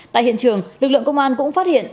tại hiện trường lực lượng công an cũng phát hiện